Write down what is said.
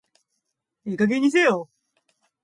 ええ加減にせえよ